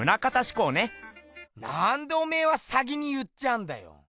なんでおめえは先に言っちゃうんだよ！